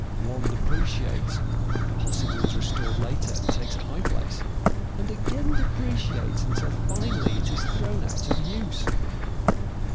One depreciates, possibly is restored later and takes a high place, and again depreciates until finally it is thrown out of use.